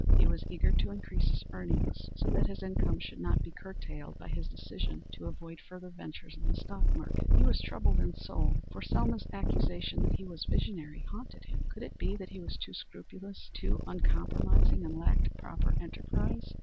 He was eager to increase his earnings so that his income should not be curtailed by his decision to avoid further ventures in the stock market. He was troubled in soul, for Selma's accusation that he was visionary haunted him. Could it be that he was too scrupulous, too uncompromising, and lacked proper enterprise?